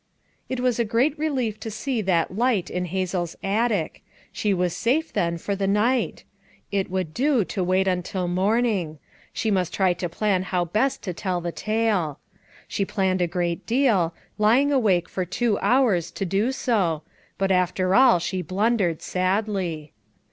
It was a great relief to see that light in Hazel's attic; she was safe then for the night; it would do to wait until morning; she must try to plan how best to tell the tale. She planned a great deal, lying awake for two hours to do so, but after all she blundered sadly.